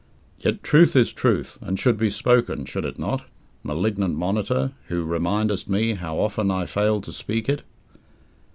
Yet truth is truth, and should be spoken should it not, malignant monitor, who remindest me how often I fail to speak it?